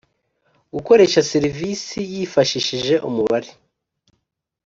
gukoresha serivisi yifashishije umubare